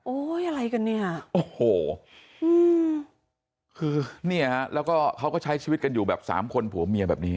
อะไรกันเนี่ยโอ้โหคือเนี่ยฮะแล้วก็เขาก็ใช้ชีวิตกันอยู่แบบสามคนผัวเมียแบบนี้